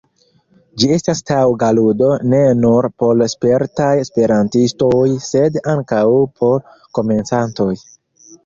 Ĝi estas taŭga ludo ne nur por spertaj esperantistoj, sed ankaŭ por komencantoj.